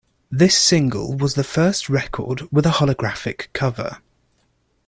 This single was the first record with a holographic cover.